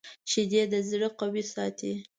شیدې د زړه قوي ساتي